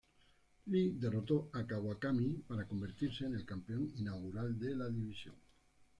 Lee derrotó a Kawakami para convertirse en el campeón inaugural de la división.